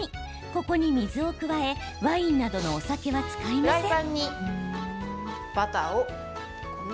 ここに水を加えワイン等のお酒は使いません。